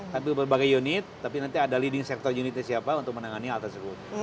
tapi berbagai unit tapi nanti ada leading sector unitnya siapa untuk menangani hal tersebut